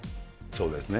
そうですね。